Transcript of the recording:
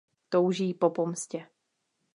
Touží po pomstě.